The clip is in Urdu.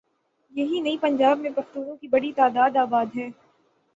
یہی نہیں پنجاب میں پختونوں کی بڑی تعداد آباد ہے۔